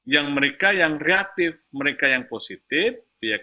yang mereka yang reaktif mereka yang positif